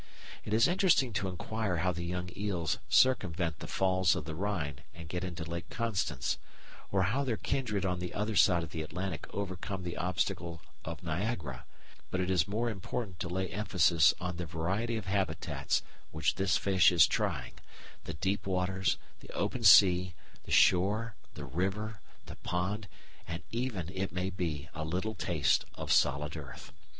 It is interesting to inquire how the young eels circumvent the Falls of the Rhine and get into Lake Constance, or how their kindred on the other side of the Atlantic overcome the obstacle of Niagara; but it is more important to lay emphasis on the variety of habitats which this fish is trying the deep waters, the open sea, the shore, the river, the pond, and even, it may be, a little taste of solid earth.